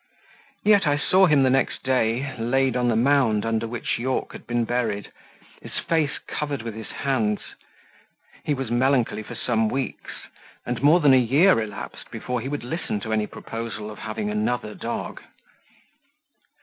Yet I saw him the next day laid on the mound under which Yorke had been buried, his face covered with his hands; he was melancholy for some weeks, and more than a year elapsed before he would listen to any proposal of having another dog.